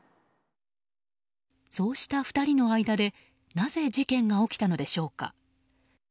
そうした２人の間でなぜ事件が起きたのでしょうか。